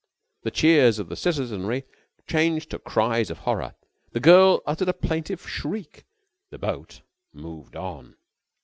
The cheers of the citizenry changed to cries of horror. The girl uttered a plaintive shriek. The boat moved on.